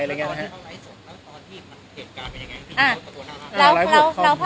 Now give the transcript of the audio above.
ตอนที่เขาไล่ส่งแล้วเบียดการเป็นอย่างไรเบียดการหาตัวหน้า